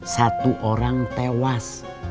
satu orang tewas